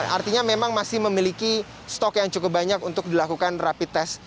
artinya memang masih memiliki stok yang cukup banyak untuk dilakukan rapid test